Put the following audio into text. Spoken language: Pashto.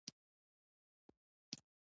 ننګ او غیرت د ځان عادت وګرځوه.